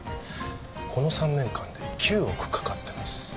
この３年間で９億かかってます